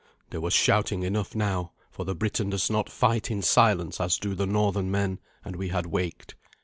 There was shouting enough now, for the Briton does not fight in silence as do the northern men, and we had waked.